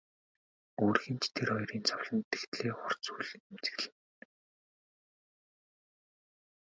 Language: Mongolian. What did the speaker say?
Өөр хэн ч тэр хоёрын зовлонд тэгтлээ хурц үл эмзэглэнэ.